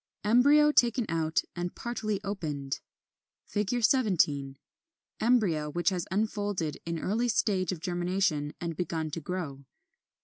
Embryo taken out and partly opened. 17. Embryo which has unfolded in early stage of germination and begun to grow.